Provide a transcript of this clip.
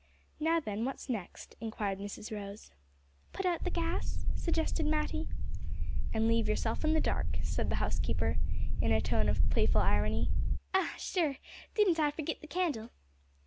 "Now then, what next?" inquired Mrs Rose. "Put out the gas," suggested Matty. "And leave yourself in the dark," said the housekeeper, in a tone of playful irony. "Ah! sure, didn't I forgit the candle!"